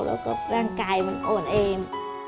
แล้วก็ร่างกายมันอ่อนแอม